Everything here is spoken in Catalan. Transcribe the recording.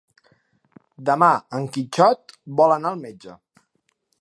Demà en Quixot vol anar al metge.